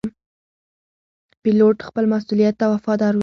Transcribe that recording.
پیلوټ خپل مسؤولیت ته وفادار وي.